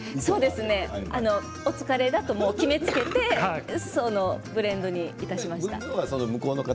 お疲れだと決めつけてそのブレンドにいたしました。